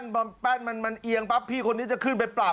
เนี่ยแล้วพอแป้นแป้นแป้งแป๊บอันนี้จะขึ้นไปปะ